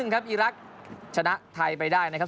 ครับอีรักษ์ชนะไทยไปได้นะครับ